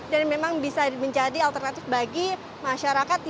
dan memang bisa menjadi alternatif bagi masyarakat yang lebih nyaman